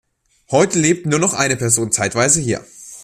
Heute lebt nur noch eine Person zeitweise hier.